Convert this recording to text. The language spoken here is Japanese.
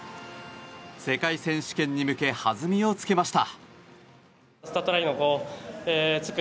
世界選手権に向け弾みを付けました。